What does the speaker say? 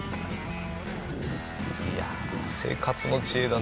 いや生活の知恵だな。